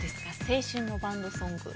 青春のバンドソング。